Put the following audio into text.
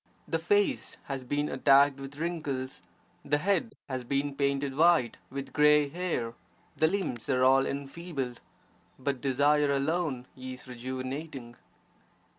The face has been attacked with wrinkles, the head has been painted white with grey hair, the limbs are all enfeebled; but desire alone is rejuvenating.